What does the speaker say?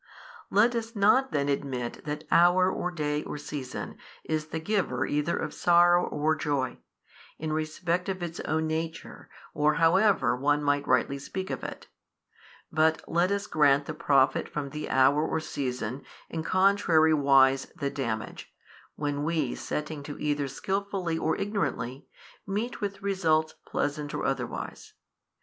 Let us not then admit that hour or day or season is the giver either of sorrow or joy, in respect of its own nature or however one might rightly speak of it; but let us grant the profit from the hour or season and contrariwise the damage, when we setting to either skilfully or ignorantly, meet with results pleasant or otherwise.